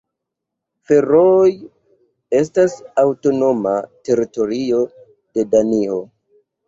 Ferooj estas aŭtonoma teritorio de Danio.